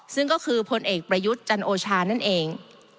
ซึ่งก็คือพลเอกประยุทธ์จันโอชานั่นเอง